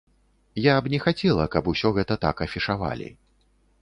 Я б не хацела, каб усё гэта так афішавалі.